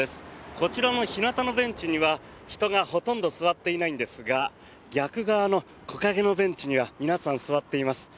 こちらの日なたのベンチには人がほとんど座っていないんですが逆側の木陰のベンチには皆さん座っています。